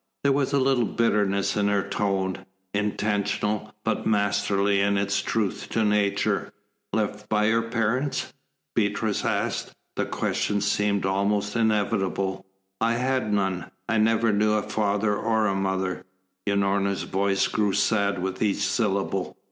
There was a little bitterness in her tone, intentional, but masterly in its truth to nature. "Left by your parents?" Beatrice asked. The question seemed almost inevitable. "I had none. I never knew a father or a mother." Unorna's voice grew sad with each syllable.